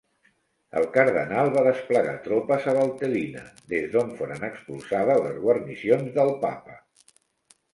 El cardenal va desplegar tropes a Valtellina, des d'on foren expulsades les guarnicions del Papa.